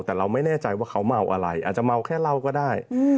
แต่เราไม่แน่ใจว่าเขาเมาอะไรอาจจะเมาแค่เหล้าก็ได้